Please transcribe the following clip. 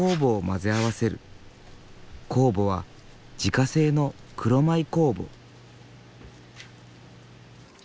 酵母は自家製の黒米酵母。